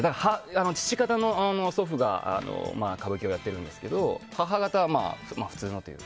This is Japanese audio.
父方の祖父が歌舞伎をやっているんですが母方は、普通のというか